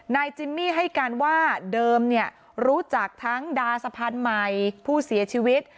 จิมมี่ให้การว่าเดิมเนี่ยรู้จักทั้งดาสะพานใหม่ผู้เสียชีวิต